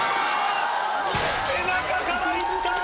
背中から行った！